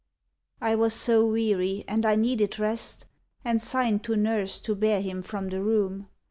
I was so weary and I needed rest, And signed to nurse to bear him from the room.